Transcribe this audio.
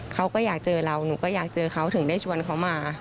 เขาก็อยากเจอเราหนูก็อยากเจอเขาถึงได้ชวนเขามา